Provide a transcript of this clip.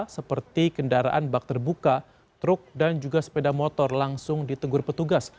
seperti kendaraan bakter buka truk dan juga sepeda motor langsung ditenggur petugas